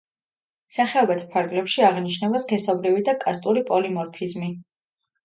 სახეობათა ფარგლებში აღინიშნება სქესობრივი და „კასტური“ პოლიმორფიზმი.